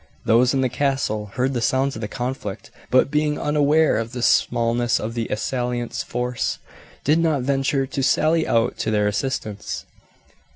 Those in the castle heard the sounds of the conflict, but being unaware of the smallness of the assailant's force, did not venture to sally out to their assistance.